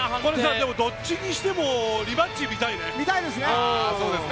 でも、どっちにしてもリマッチを見たいね。